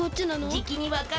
じきにわかる。